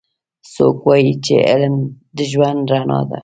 څوک وایي چې علم د ژوند رڼا ده